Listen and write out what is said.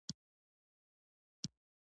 قرآن د لارښوونې کتاب دی